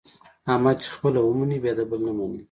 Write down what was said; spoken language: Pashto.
احمد چې خپله و مني بیا د بل نه مني.